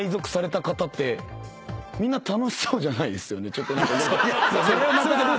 ちょっと何か。